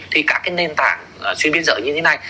thì các cái nền tảng xuyên biến dở như thế này